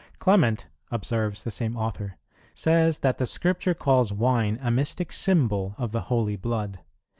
"Clement," observes the same author, "says that the Scripture calls wine a mystic symbol of the holy blood.